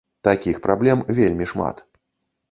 Такіх праблем вельмі шмат.